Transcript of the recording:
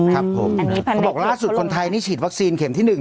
ครับผมเขาบอกล่าสุดคนไทยนี่ฉีดวัคซีนเข็มที่๑